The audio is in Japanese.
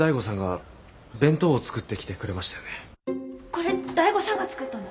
これ醍醐さんが作ったの？